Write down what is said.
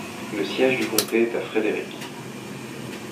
Le siège du comté est à Frederick.